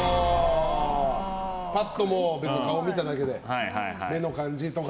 パッと顔を見ただけで目の感じとか。